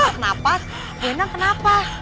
kenapa bu enang kenapa